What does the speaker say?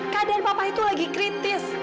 keadaan papa itu lagi kritis